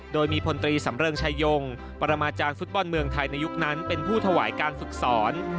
โดยมีพลตรีสำเริงชายงปรมาจารย์ฟุตบอลเมืองไทยในยุคนั้นเป็นผู้ถวายการฝึกสอน